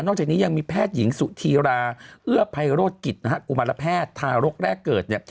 นอกจากนี้ยังมีแพทย์หญิงสุธีราเอื้อภัยโรศกิจอุมารแพทย์ทารกแรกเกิด